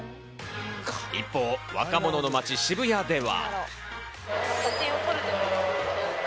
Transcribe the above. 一方、若者の街・渋谷では。